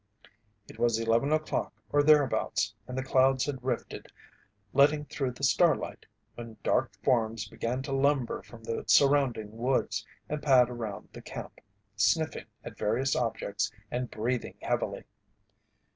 It was eleven o'clock or thereabouts, and the clouds had rifted letting through the starlight, when dark forms began to lumber from the surrounding woods and pad around the camp, sniffing at various objects and breathing heavily.